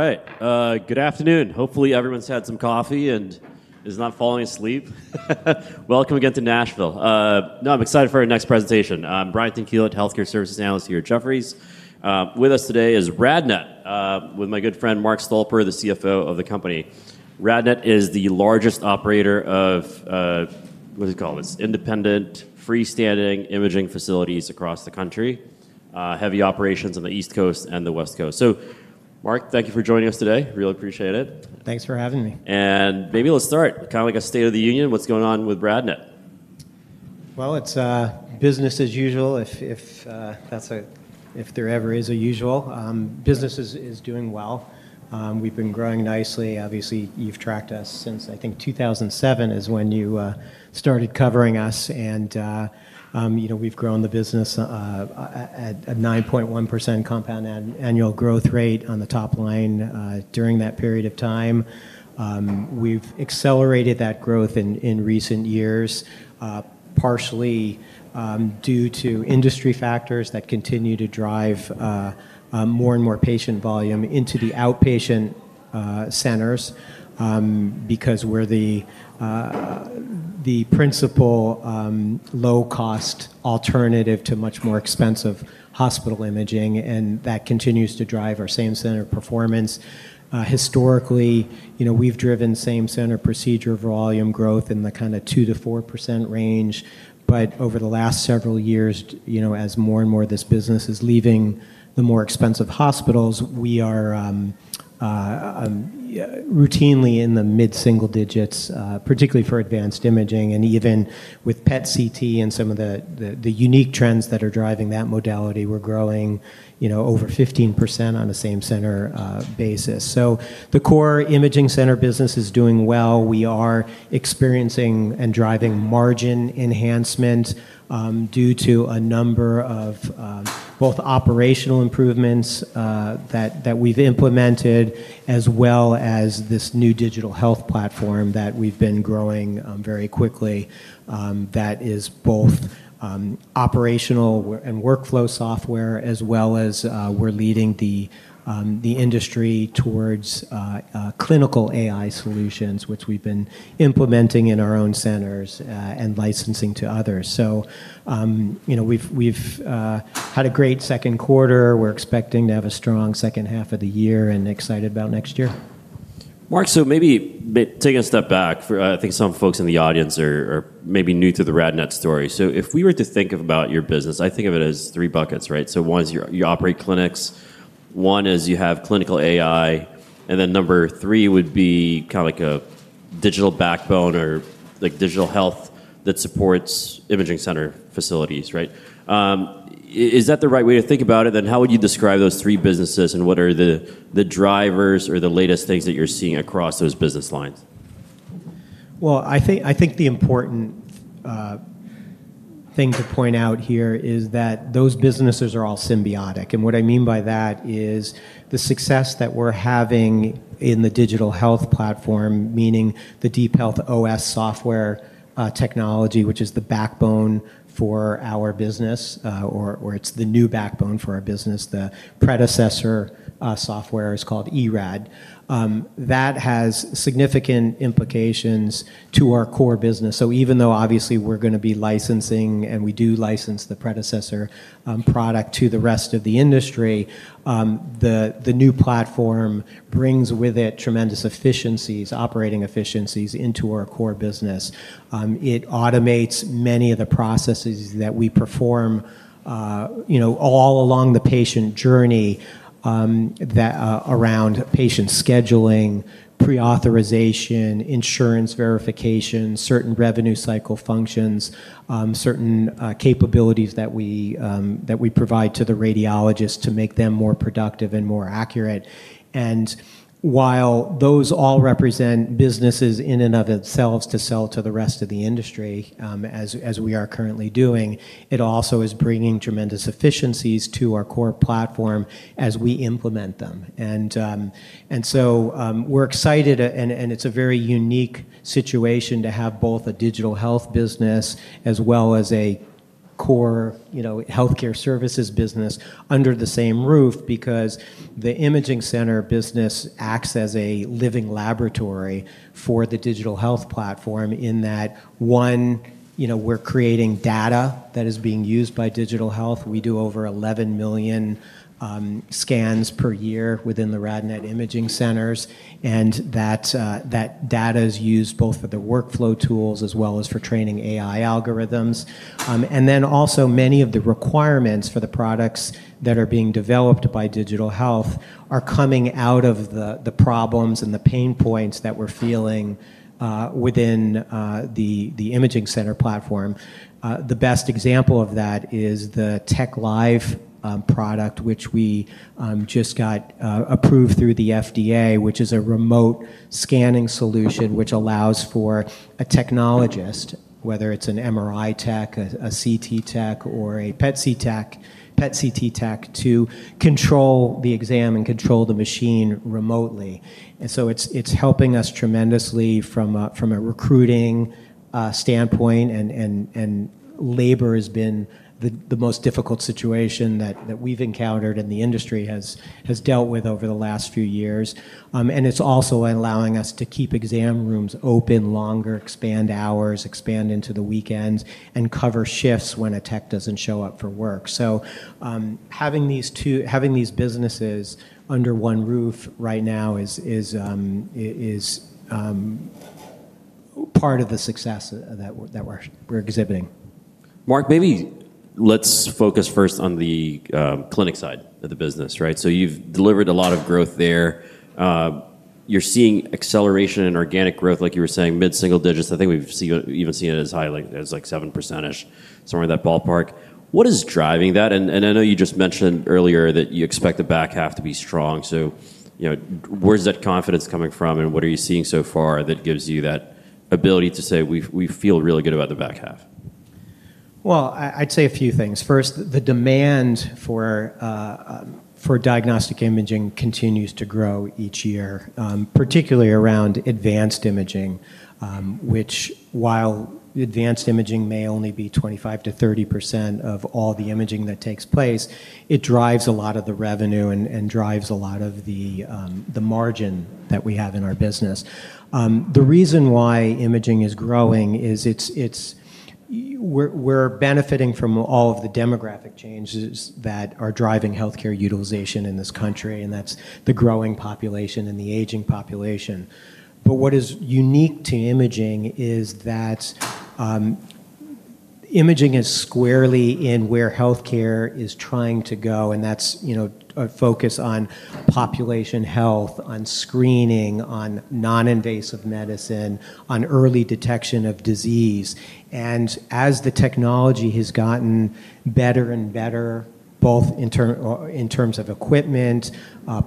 Hey, good afternoon. Hopefully, everyone's had some coffee and is not falling asleep. Welcome again to Nashville. Now, I'm excited for our next presentation. I'm Brian Tanquilut, Healthcare Services Analyst here at Jefferies. With us today is RadNet, with my good friend Mark Stolper, the CFO of the company. RadNet is the largest operator of, what do you call this, independent freestanding imaging facilities across the country, heavy operations on the East Coast and the West Coast. Mark, thank you for joining us today. Really appreciate it. Thanks for having me. Let's start. Kind of like a State of the Union, what's going on with RadNet? It is business as usual, if there ever is a usual. Business is doing well. We've been growing nicely. Obviously, you've tracked us since, I think, 2007 is when you started covering us. You know, we've grown the business at a 9.1% compound annual growth rate on the top line during that period of time. We've accelerated that growth in recent years, partially due to industry factors that continue to drive more and more patient volume into the outpatient centers because we're the principal low-cost alternative to much more expensive hospital imaging, and that continues to drive our same-center performance. Historically, we've driven same-center procedure volume growth in the kind of 2% to 4% range. Over the last several years, as more and more of this business is leaving the more expensive hospitals, we are routinely in the mid-single digits, particularly for advanced imaging. Even with PET/CT and some of the unique trends that are driving that modality, we're growing over 15% on a same-center basis. The core imaging center business is doing well. We are experiencing and driving margin enhancement due to a number of both operational improvements that we've implemented, as well as this new digital health platform that we've been growing very quickly that is both operational and workflow software, as well as we're leading the industry towards clinical artificial intelligence solutions, which we've been implementing in our own centers and licensing to others. We've had a great second quarter. We're expecting to have a strong second half of the year and excited about next year. Mark, maybe taking a step back, I think some folks in the audience are maybe new to the RadNet story. If we were to think about your business, I think of it as three buckets, right? One is you operate clinics, one is you have clinical AI, and then number three would be kind of like a digital backbone or like digital health that supports imaging center facilities, right? Is that the right way to think about it? How would you describe those three businesses and what are the drivers or the latest things that you're seeing across those business lines? I think the important thing to point out here is that those businesses are all symbiotic. What I mean by that is the success that we're having in the digital health platform, meaning the DeepHealth OS software technology, which is the backbone for our business, or it's the new backbone for our business. The predecessor software is called eRAD. That has significant implications to our core business. Even though obviously we're going to be licensing, and we do license the predecessor product to the rest of the industry, the new platform brings with it tremendous efficiencies, operating efficiencies into our core business. It automates many of the processes that we perform all along the patient journey around patient scheduling, pre-authorization, insurance verification, certain revenue cycle functions, certain capabilities that we provide to the radiologists to make them more productive and more accurate. While those all represent businesses in and of themselves to sell to the rest of the industry, as we are currently doing, it also is bringing tremendous efficiencies to our core platform as we implement them. We're excited, and it's a very unique situation to have both a digital health business as well as a core healthcare services business under the same roof because the imaging center business acts as a living laboratory for the digital health platform in that one, we're creating data that is being used by digital health. We do over 11 million scans per year within the RadNet imaging centers, and that data is used both for the workflow tools as well as for training AI algorithms. Also, many of the requirements for the products that are being developed by digital health are coming out of the problems and the pain points that we're feeling within the imaging center platform. The best example of that is the TechLive product, which we just got approved through the FDA, which is a remote scanning solution which allows for a technologist, whether it's an MRI tech, a CT tech, or a PET/CT tech, to control the exam and control the machine remotely. It's helping us tremendously from a recruiting standpoint, and labor has been the most difficult situation that we've encountered and the industry has dealt with over the last few years. It's also allowing us to keep exam rooms open longer, expand hours, expand into the weekends, and cover shifts when a tech doesn't show up for work. Having these businesses under one roof right now is part of the success that we're exhibiting. Mark, maybe let's focus first on the clinic side of the business, right? You've delivered a lot of growth there. You're seeing acceleration in organic growth, like you were saying, mid-single digits. I think we've even seen it as high as 7%-ish, somewhere in that ballpark. What is driving that? I know you just mentioned earlier that you expect the back half to be strong. Where's that confidence coming from and what are you seeing so far that gives you that ability to say we feel really good about the back half? I’d say a few things. First, the demand for diagnostic imaging continues to grow each year, particularly around advanced imaging, which, while advanced imaging may only be 25% to 30% of all the imaging that takes place, it drives a lot of the revenue and drives a lot of the margin that we have in our business. The reason why imaging is growing is we're benefiting from all of the demographic changes that are driving healthcare utilization in this country, and that's the growing population and the aging population. What is unique to imaging is that imaging is squarely in where healthcare is trying to go, and that's, you know, a focus on population health, on screening, on non-invasive medicine, on early detection of disease. As the technology has gotten better and better, both in terms of equipment,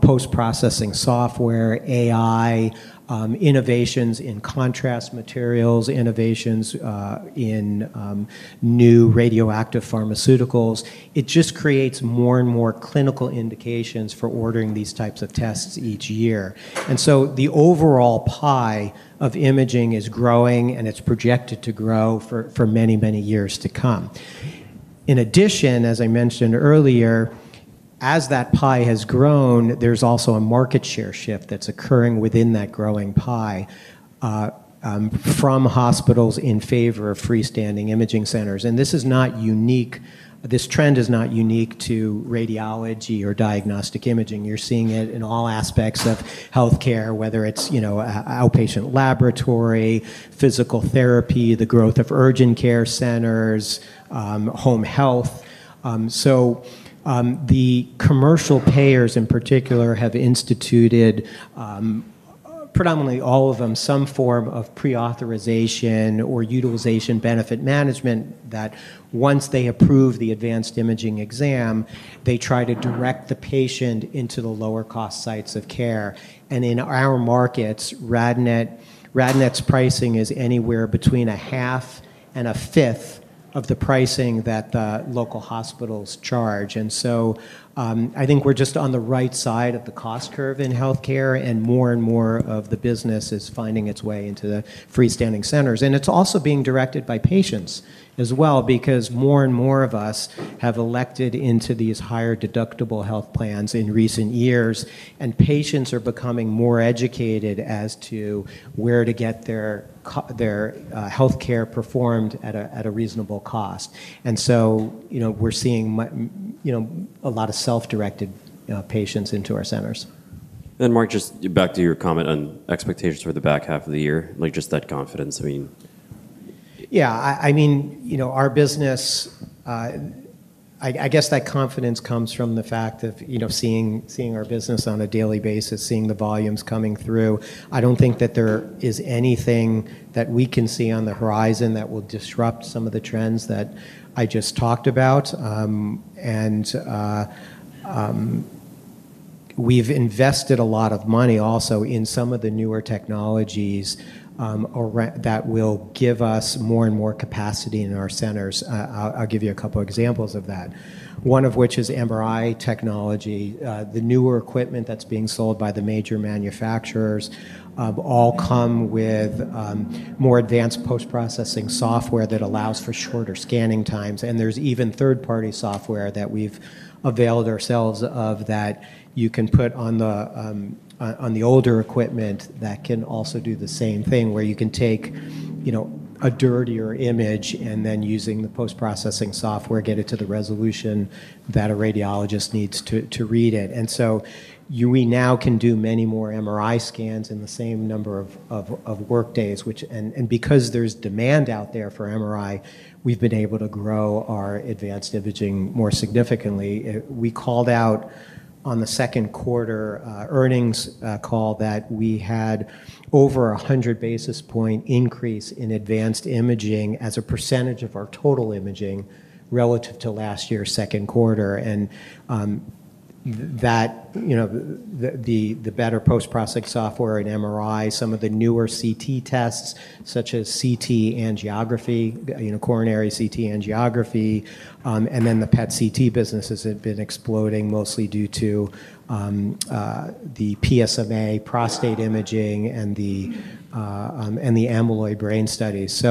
post-processing software, AI, innovations in contrast materials, innovations in new radioactive pharmaceuticals, it just creates more and more clinical indications for ordering these types of tests each year. The overall pie of imaging is growing and it's projected to grow for many, many years to come. In addition, as I mentioned earlier, as that pie has grown, there's also a market share shift that's occurring within that growing pie from hospitals in favor of freestanding imaging centers. This trend is not unique to radiology or diagnostic imaging. You're seeing it in all aspects of healthcare, whether it's, you know, an outpatient laboratory, physical therapy, the growth of urgent care centers, home health. The commercial payers in particular have instituted, predominantly all of them, some form of pre-authorization or utilization benefit management that once they approve the advanced imaging exam, they try to direct the patient into the lower cost sites of care. In our markets, RadNet's pricing is anywhere between a half and a fifth of the pricing that the local hospitals charge. I think we're just on the right side of the cost curve in healthcare, and more and more of the business is finding its way into the freestanding centers. It's also being directed by patients as well because more and more of us have elected into these higher deductible health plans in recent years, and patients are becoming more educated as to where to get their healthcare performed at a reasonable cost. We're seeing, you know, a lot of self-directed patients into our centers. Mark, just back to your comment on expectations for the back half of the year, like just that confidence. I mean. Yeah, I mean, you know, our business, I guess that confidence comes from the fact of seeing our business on a daily basis, seeing the volumes coming through. I don't think that there is anything that we can see on the horizon that will disrupt some of the trends that I just talked about. We've invested a lot of money also in some of the newer technologies that will give us more and more capacity in our centers. I'll give you a couple of examples of that. One of which is MRI technology. The newer equipment that's being sold by the major manufacturers all come with more advanced post-processing software that allows for shorter scanning times. There's even third-party software that we've availed ourselves of that you can put on the older equipment that can also do the same thing where you can take, you know, a dirtier image and then using the post-processing software, get it to the resolution that a radiologist needs to read it. We now can do many more MRI scans in the same number of workdays, which, and because there's demand out there for MRI, we've been able to grow our advanced imaging more significantly. We called out on the second quarter earnings call that we had over a 100 basis point increase in advanced imaging as a % of our total imaging relative to last year's second quarter. The better post-processing software and MRI, some of the newer CT tests such as CT angiography, coronary CT angiography, and then the PET/CT business has been exploding mostly due to the PSMA prostate imaging and the amyloid brain studies.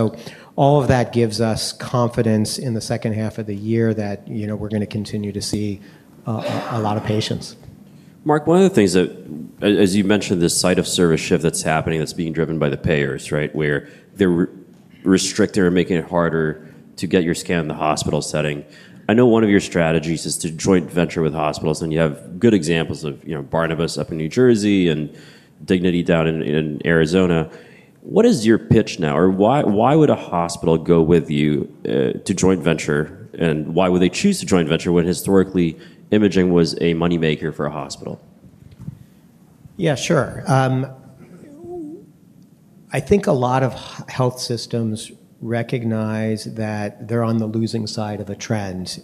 All of that gives us confidence in the second half of the year that we're going to continue to see a lot of patients. Mark, one of the things that, as you mentioned, the site-of-service shift that's happening that's being driven by the payers, right, where they're restricting or making it harder to get your scan in the hospital setting. I know one of your strategies is to joint venture with hospitals, and you have good examples of, you know, RWJBarnabas Health up in New Jersey and Dignity Health down in Arizona. What is your pitch now? Or why would a hospital go with you to joint venture, and why would they choose to joint venture when historically imaging was a moneymaker for a hospital? Yeah, sure. I think a lot of health systems recognize that they're on the losing side of the trends.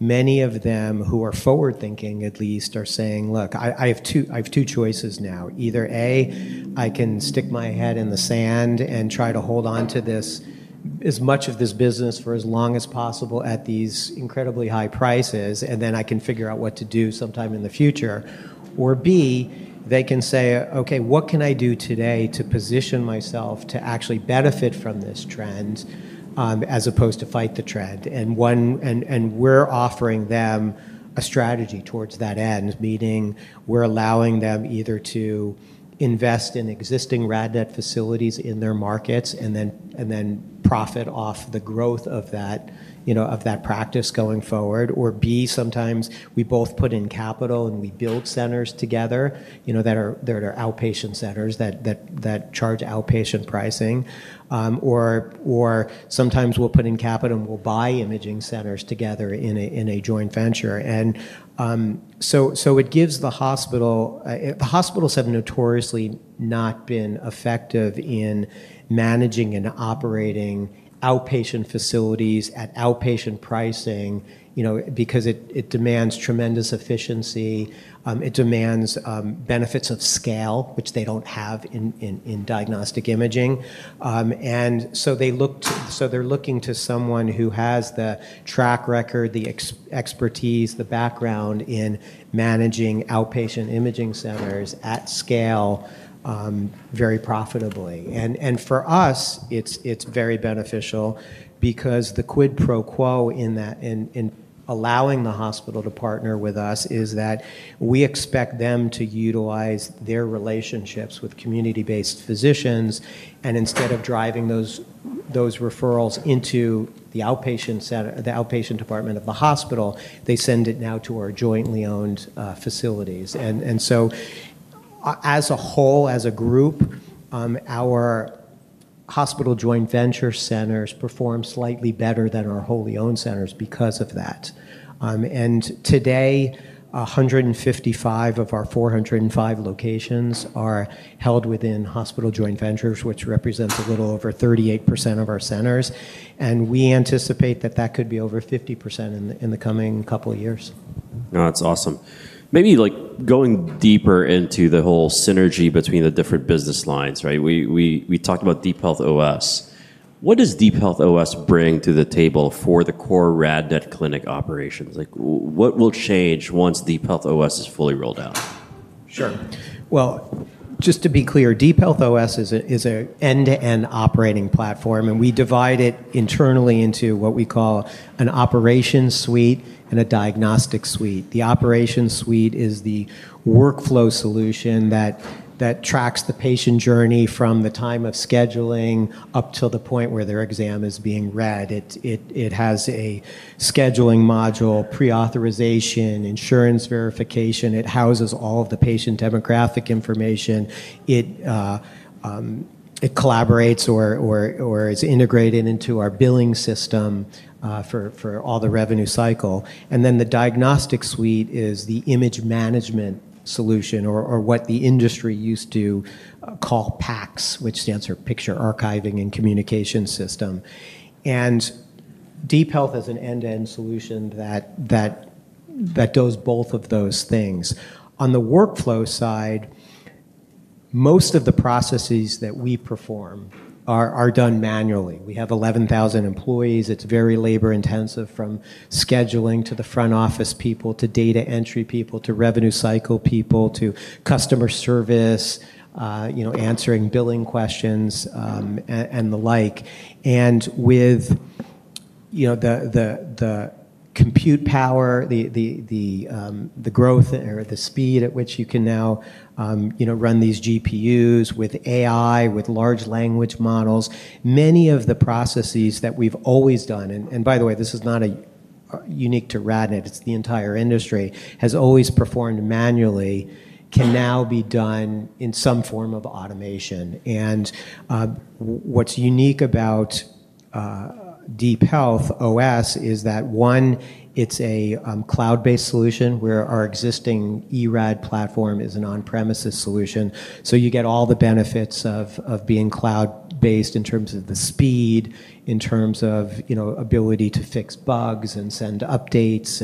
Many of them who are forward-thinking at least are saying, look, I have two choices now. Either A, I can stick my head in the sand and try to hold on to this, as much of this business for as long as possible at these incredibly high prices, and then I can figure out what to do sometime in the future. Or B, they can say, okay, what can I do today to position myself to actually benefit from this trend as opposed to fight the trend? We're offering them a strategy towards that end, meaning we're allowing them either to invest in existing RadNet facilities in their markets and then profit off the growth of that, you know, of that practice going forward. Or B, sometimes we both put in capital and we build centers together that are outpatient centers that charge outpatient pricing. Sometimes we'll put in capital and we'll buy imaging centers together in a joint venture. It gives the hospital, the hospitals have notoriously not been effective in managing and operating outpatient facilities at outpatient pricing because it demands tremendous efficiency. It demands benefits of scale, which they don't have in diagnostic imaging. They looked to someone who has the track record, the expertise, the background in managing outpatient imaging centers at scale very profitably. For us, it's very beneficial because the quid pro quo in allowing the hospital to partner with us is that we expect them to utilize their relationships with community-based physicians. Instead of driving those referrals into the outpatient department of the hospital, they send it now to our jointly owned facilities. As a whole, as a group, our hospital joint venture centers perform slightly better than our wholly owned centers because of that. Today, 155 of our 405 locations are held within hospital joint ventures, which represents a little over 38% of our centers. We anticipate that that could be over 50% in the coming couple of years. No, that's awesome. Maybe like going deeper into the whole synergy between the different business lines, right? We talked about DeepHealth OS. What does DeepHealth OS bring to the table for the core RadNet clinic operations? Like what will change once DeepHealth OS is fully rolled out? Sure. Just to be clear, DeepHealth OS is an end-to-end operating platform, and we divide it internally into what we call an operation suite and a diagnostic suite. The operation suite is the workflow solution that tracks the patient journey from the time of scheduling up to the point where their exam is being read. It has a scheduling module, pre-authorization, insurance verification. It houses all of the patient demographic information. It collaborates or is integrated into our billing system for all the revenue cycle. The diagnostic suite is the image management solution, or what the industry used to call PACS, which stands for Picture Archiving and Communication System. DeepHealth has an end-to-end solution that does both of those things. On the workflow side, most of the processes that we perform are done manually. We have 11,000 employees. It's very labor-intensive from scheduling to the front office people to data entry people to revenue cycle people to customer service, you know, answering billing questions and the like. With the compute power, the growth or the speed at which you can now run these GPUs with AI, with large language models, many of the processes that we've always done, and by the way, this is not unique to RadNet, it's the entire industry, has always performed manually, can now be done in some form of automation. What's unique about DeepHealth OS is that, one, it's a cloud-based solution where our existing eRAD platform is an on-premises solution. You get all the benefits of being cloud-based in terms of the speed, in terms of ability to fix bugs and send updates.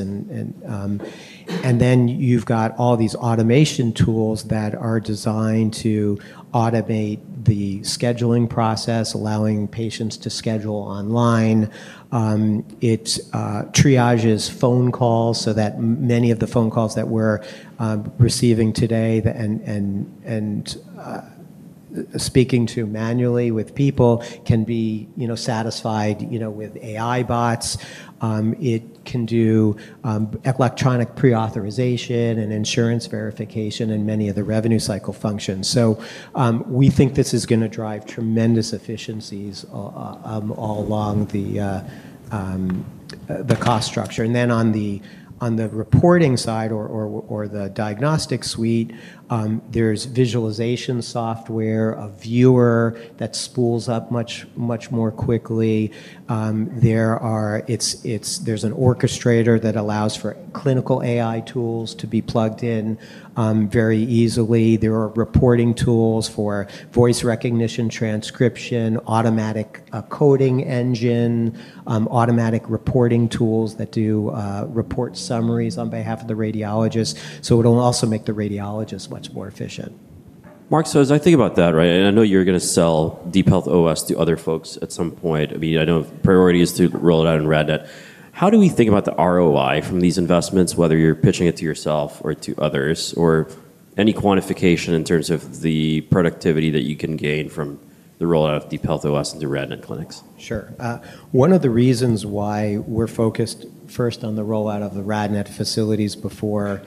You've got all these automation tools that are designed to automate the scheduling process, allowing patients to schedule online. It triages phone calls so that many of the phone calls that we're receiving today and speaking to manually with people can be satisfied with AI bots. It can do electronic pre-authorization and insurance verification and many of the revenue cycle functions. We think this is going to drive tremendous efficiencies all along the cost structure. On the reporting side or the diagnostic suite, there's visualization software, a viewer that spools up much, much more quickly. There's an orchestrator that allows for clinical AI tools to be plugged in very easily. There are reporting tools for voice recognition, transcription, automatic coding engine, automatic reporting tools that do report summaries on behalf of the radiologist. It'll also make the radiologist much more efficient. Mark, as I think about that, right, and I know you're going to sell DeepHealth OS to other folks at some point. I mean, I know the priority is to roll it out in RadNet. How do we think about the ROI from these investments, whether you're pitching it to yourself or to others, or any quantification in terms of the productivity that you can gain from the rollout of DeepHealth OS into RadNet clinics? Sure. One of the reasons why we're focused first on the rollout of the RadNet facilities before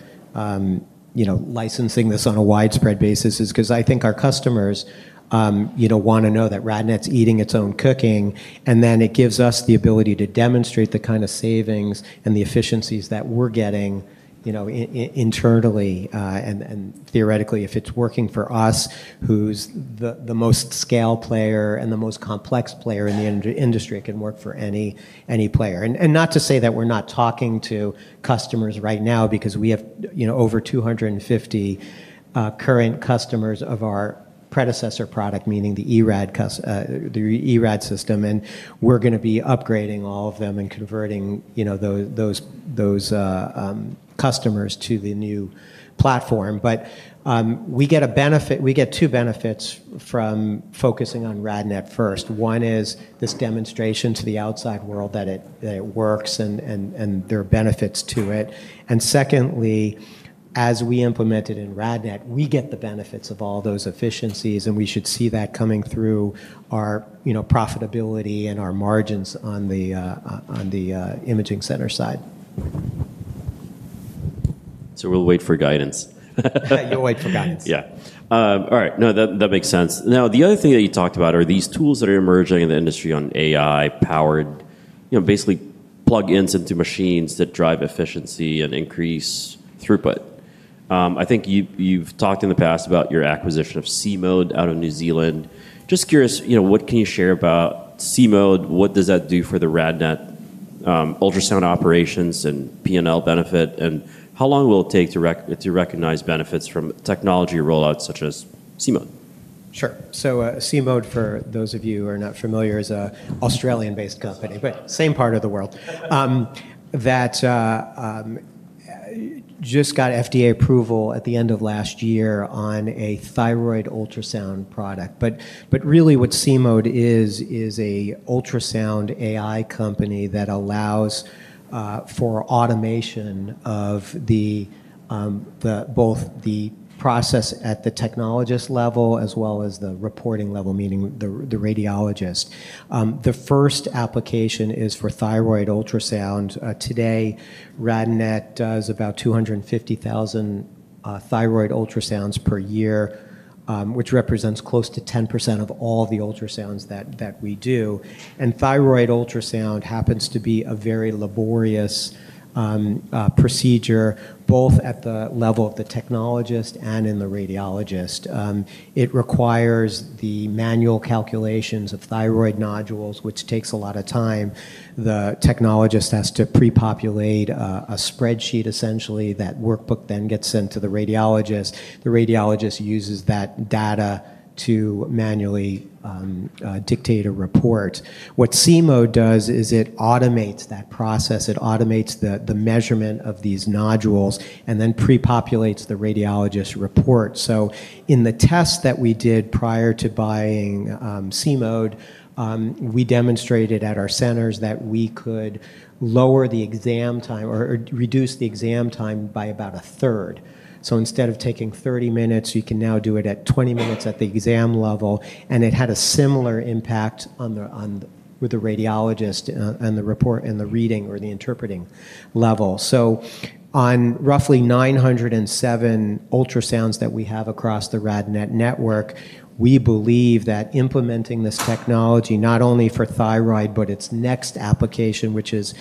licensing this on a widespread basis is because I think our customers want to know that RadNet's eating its own cooking. It gives us the ability to demonstrate the kind of savings and the efficiencies that we're getting internally. Theoretically, if it's working for us, who's the most scale player and the most complex player in the industry, it can work for any player. We're not saying that we're not talking to customers right now because we have over 250 current customers of our predecessor product, meaning the eRAD system. We're going to be upgrading all of them and converting those customers to the new platform. We get two benefits from focusing on RadNet first. One is this demonstration to the outside world that it works and there are benefits to it. Secondly, as we implement it in RadNet, we get the benefits of all those efficiencies, and we should see that coming through our profitability and our margins on the imaging center side. We'll wait for guidance. Yeah, you'll wait for guidance. Yeah. All right. No, that makes sense. Now, the other thing that you talked about are these tools that are emerging in the industry on AI-powered, you know, basically plug-ins into machines that drive efficiency and increase throughput. I think you've talked in the past about your acquisition of CMODE out of New Zealand. Just curious, you know, what can you share about CMODE? What does that do for the RadNet ultrasound operations and P&L benefit? How long will it take to recognize benefits from technology rollouts such as CMODE? Sure. CMODE, for those of you who are not familiar, is an Australian-based company, but same part of the world, that just got FDA approval at the end of last year on a thyroid ultrasound product. What CMODE is, is an ultrasound AI company that allows for automation of both the process at the technologist level as well as the reporting level, meaning the radiologist. The first application is for thyroid ultrasound. Today, RadNet does about 250,000 thyroid ultrasounds per year, which represents close to 10% of all the ultrasounds that we do. Thyroid ultrasound happens to be a very laborious procedure, both at the level of the technologist and in the radiologist. It requires the manual calculations of thyroid nodules, which takes a lot of time. The technologist has to pre-populate a spreadsheet, essentially. That workbook then gets sent to the radiologist. The radiologist uses that data to manually dictate a report. What CMODE does is it automates that process. It automates the measurement of these nodules and then pre-populates the radiologist's report. In the test that we did prior to buying CMODE, we demonstrated at our centers that we could lower the exam time or reduce the exam time by about a third. Instead of taking 30 minutes, you can now do it at 20 minutes at the exam level. It had a similar impact on the radiologist and the report and the reading or the interpreting level. On roughly 907 ultrasounds that we have across the RadNet network, we believe that implementing this technology, not only for thyroid, but its next application, which is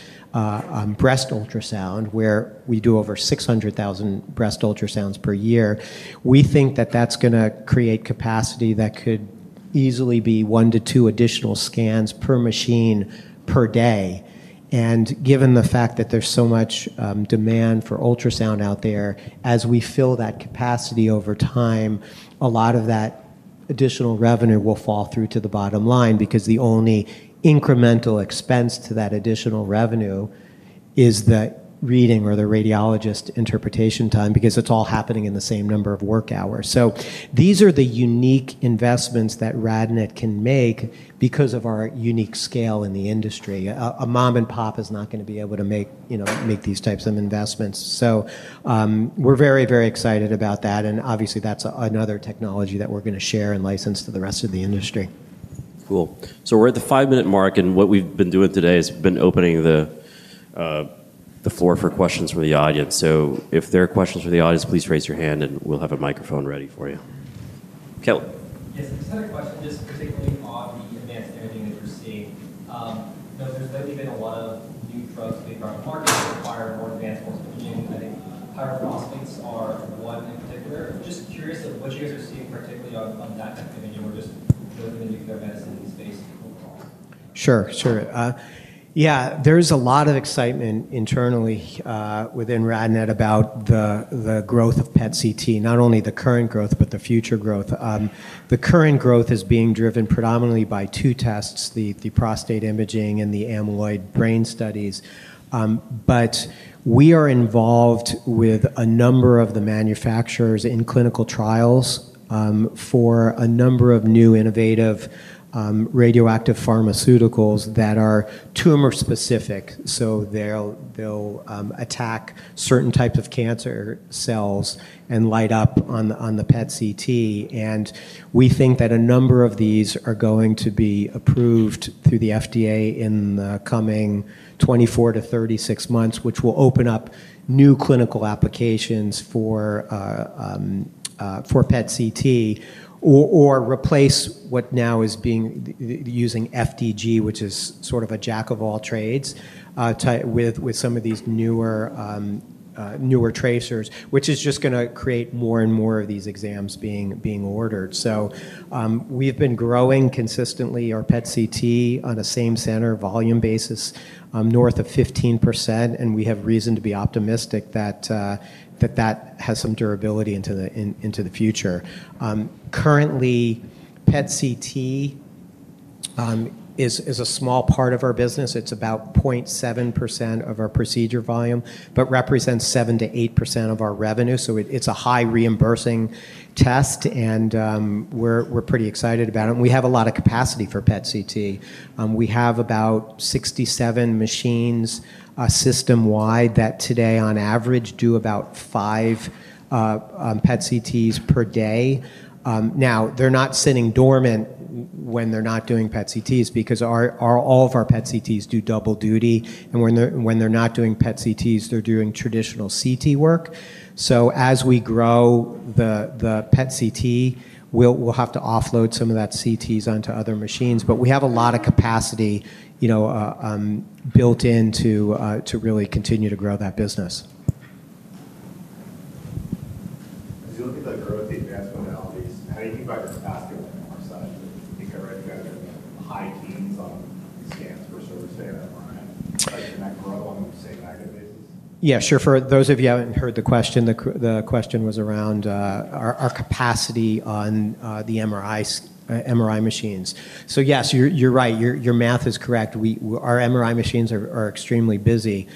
breast ultrasound, where we do over 600,000 breast ultrasounds per year, we think that that's going to create capacity that could easily be one to two additional scans per machine per day. Given the fact that there's so much demand for ultrasound out there, as we fill that capacity over time, a lot of that additional revenue will fall through to the bottom line because the only incremental expense to that additional revenue is the reading or the radiologist's interpretation time because it's all happening in the same number of work hours. These are the unique investments that RadNet can make because of our unique scale in the industry. A mom and pop is not going to be able to make these types of investments. We're very, very excited about that. Obviously, that's another technology that we're going to share and license to the rest of the industry. We're at the five-minute mark, and what we've been doing today has been opening the floor for questions from the audience. If there are questions from the audience, please raise your hand and we'll have a microphone ready for you. Kelly. Yes, I just had a question, just particularly about the advanced imaging that you're seeing. There's definitely been a lot of new drugs, big drug companies that require more advanced imaging. I think pyrophosphates are one in particular. Just curious of what you guys are seeing, particularly on that activity. We're just building the advanced imaging space overall. Sure, sure. Yeah, there's a lot of excitement internally within RadNet about the growth of PET/CT, not only the current growth, but the future growth. The current growth is being driven predominantly by two tests, the prostate imaging and the amyloid brain studies. We are involved with a number of the manufacturers in clinical trials for a number of new innovative radioactive pharmaceuticals that are tumor specific. They'll attack certain types of cancer cells and light up on the PET/CT. We think that a number of these are going to be approved through the FDA in the coming 24 to 36 months, which will open up new clinical applications for PET/CT or replace what now is being using FDG, which is sort of a jack of all trades, with some of these newer tracers, which is just going to create more and more of these exams being ordered. We've been growing consistently our PET/CT on a same center volume basis, north of 15%. We have reason to be optimistic that that has some durability into the future. Currently, PET/CT is a small part of our business. It's about 0.7% of our procedure volume, but represents 7% to 8% of our revenue. It's a high reimbursing test and we're pretty excited about it. We have a lot of capacity for PET/CT. We have about 67 machines system-wide that today, on average, do about five PET/CTs per day. They're not sitting dormant when they're not doing PET/CTs because all of our PET/CTs do double duty. When they're not doing PET/CTs, they're doing traditional CT work. As we grow the PET/CT, we'll have to offload some of that CTs onto other machines. We have a lot of capacity, you know, built in to really continue to grow that business. The growth in advanced modalities. How do you measure the capacity on the MRI side? If I read you guys a high TM. Yeah, sure. For those of you who haven't heard the question, the question was around our capacity on the MRI machines. Yes, you're right. Your math is correct. Our MRI machines are extremely busy.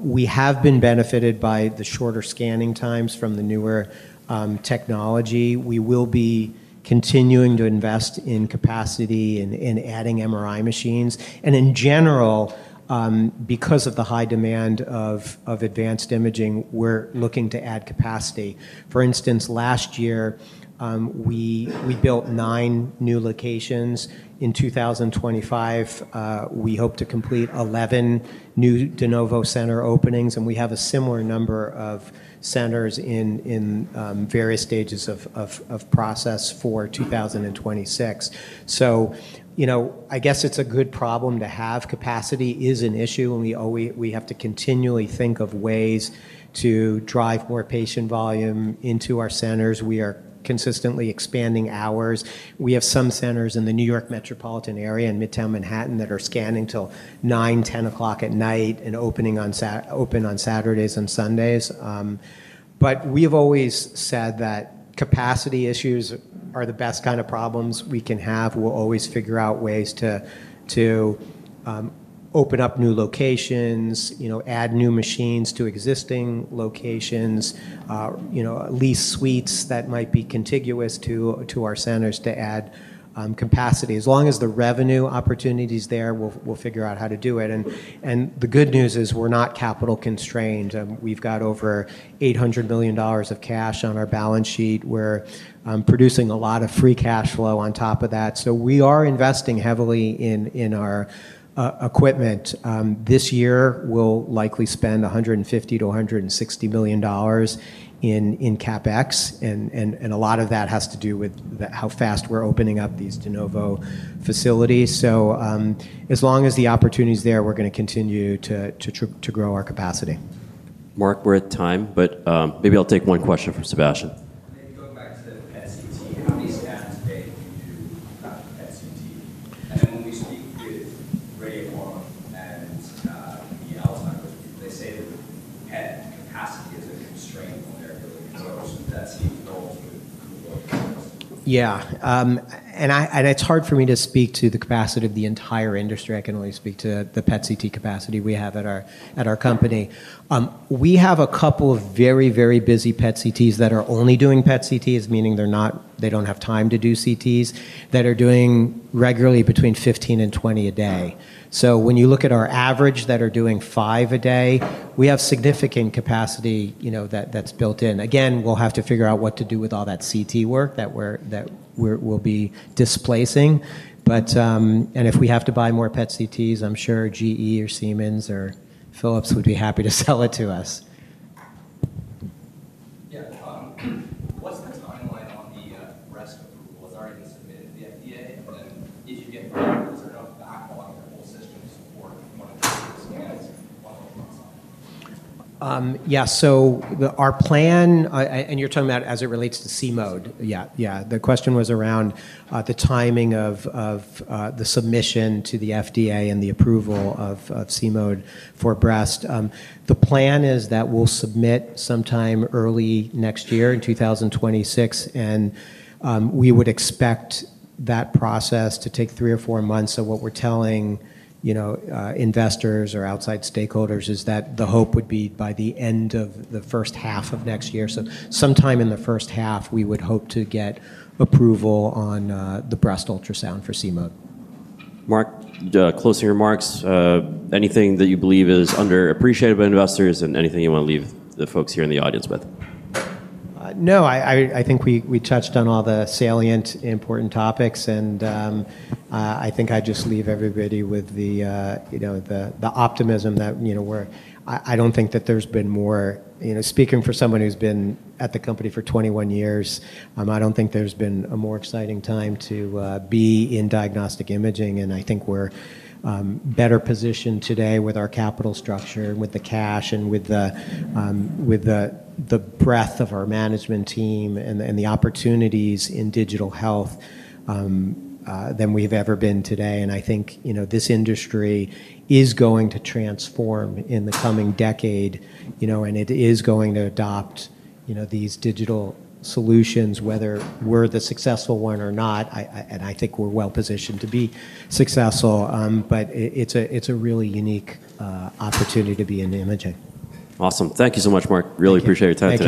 We have been benefited by the shorter scanning times from the newer technology. We will be continuing to invest in capacity and adding MRI machines. In general, because of the high demand of advanced imaging, we're looking to add capacity. For instance, last year, we built nine new locations. In 2025, we hope to complete 11 new de novo center openings. We have a similar number of centers in various stages of process for 2026. I guess it's a good problem to have. Capacity is an issue, and we have to continually think of ways to drive more patient volume into our centers. We are consistently expanding hours. We have some centers in the New York metropolitan area and Midtown Manhattan that are scanning till 9:00, 10:00 P.M. and open on Saturdays and Sundays. We have always said that capacity issues are the best kind of problems we can have. We'll always figure out ways to open up new locations, add new machines to existing locations, lease suites that might be contiguous to our centers to add capacity. As long as the revenue opportunity is there, we'll figure out how to do it. The good news is we're not capital constrained. We've got over $800 million of cash on our balance sheet. We're producing a lot of free cash flow on top of that. We are investing heavily in our equipment. This year, we'll likely spend $150 million to $160 million in CapEx. A lot of that has to do with how fast we're opening up these de novo facilities. As long as the opportunity is there, we're going to continue to grow our capacity. Mark, we're at time, but maybe I'll take one question from Sebastian. If you do about the PET/CT, the only solution is radiocarbon, that is in the Alzheimer's. They say that the capacity is a constraint. Yeah, it's hard for me to speak to the capacity of the entire industry. I can only speak to the PET/CT capacity we have at our company. We have a couple of very, very busy PET/CTs that are only doing PET/CTs, meaning they don't have time to do CTs, that are doing regularly between 15 and 20 a day. When you look at our average that are doing five a day, we have significant capacity that's built in. We'll have to figure out what to do with all that CT work that we'll be displacing. If we have to buy more PET/CTs, I'm sure GE or Siemens or Philips would be happy to sell it to us. The rest of the authorities, the FDA, if you get a backlog. Yeah, our plan, and you're talking about as it relates to CMODE. The question was around the timing of the submission to the FDA and the approval of CMODE for breast. The plan is that we'll submit sometime early next year in 2025, and we would expect that process to take three or four months. What we're telling investors or outside stakeholders is that the hope would be by the end of the first half of next year. Sometime in the first half, we would hope to get approval on the breast ultrasound for CMODE. Mark, closing remarks, anything that you believe is underappreciated by investors and anything you want to leave the folks here in the audience with? I think we touched on all the salient, important topics. I'd just leave everybody with the optimism that, speaking for someone who's been at the company for 21 years, I don't think there's been a more exciting time to be in diagnostic imaging. I think we're better positioned today with our capital structure, with the cash, and with the breadth of our management team and the opportunities in digital health than we've ever been today. I think this industry is going to transform in the coming decade, and it is going to adopt these digital solutions, whether we're the successful one or not. I think we're well positioned to be successful. It's a really unique opportunity to be in imaging. Awesome. Thank you so much, Mark. Really appreciate your time today.